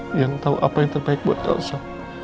biarin tahu apa yang terbaik buat elsa